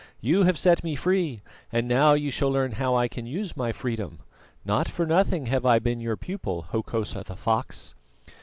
You have set me free, and now you shall learn how I can use my freedom. Not for nothing have I been your pupil, Hokosa the fox."